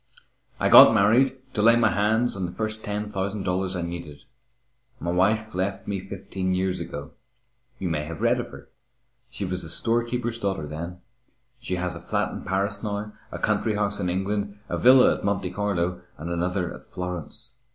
I got married to lay my hands on the first ten thousand dollars I needed. My wife left me fifteen years ago. You may have read of her. She was a storekeeper's daughter then. She has a flat in Paris now, a country house in England, a villa at Monte Carlo and another at Florence.